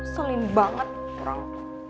selin banget orang